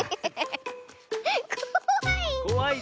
こわい！